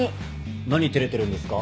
何照れてるんですか。